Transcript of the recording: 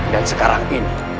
dan sekarang ini